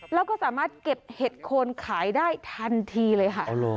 แล้วก็สามารถเก็บเห็ดโคนขายได้ทันทีเลยค่ะ